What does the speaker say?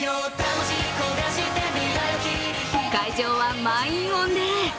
会場は満員御礼。